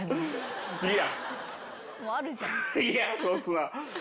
いや。